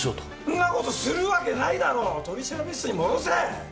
んなことするわけないだろ取調室に戻せ！